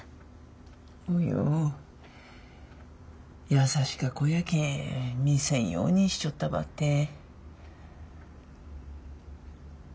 優しか子やけん見せんようにしちょったばってん。